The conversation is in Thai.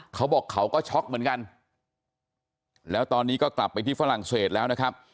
เขาบอกเขาก็ช็อกเหมือนกันแล้วตอนนี้ก็กลับไปที่ฝรั่งเศสแล้วนะครับ